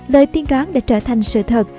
lời tiên đoán đã trở thành sự thật